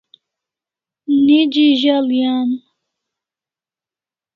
Neji azal'i an